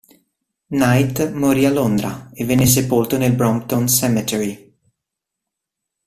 Knight morì a Londra e venne sepolto nel Brompton Cemetery.